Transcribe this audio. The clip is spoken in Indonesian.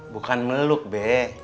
bukan meluk be